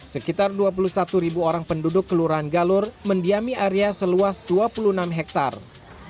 sekitar dua puluh satu ribu orang penduduk kelurahan galur mendiami area seluas dua puluh enam hektare